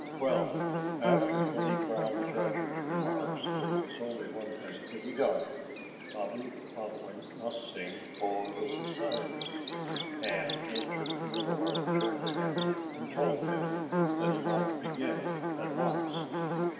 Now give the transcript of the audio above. Well, after Buddy Brown Thrasher's remarks there was only one thing to be done. Bobby Bobolink must sing for the Society. And Mr. Meadowlark turned to him and told him that he might begin at once.